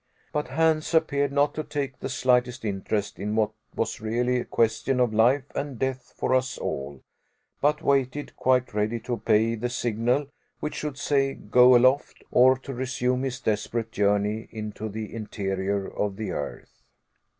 But Hans appeared not to take the slightest interest in what was really a question of life and death for us all, but waited quite ready to obey the signal which should say go aloft, or to resume his desperate journey into the interior of the earth.